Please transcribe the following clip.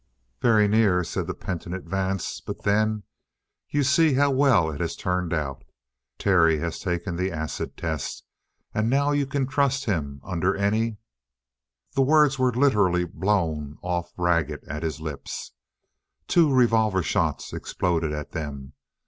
"Very near," said the penitent Vance. "But then you see how well it has turned out? Terry has taken the acid test, and now you can trust him under any " The words were literally blown off ragged at his lips. Two revolver shots exploded at them.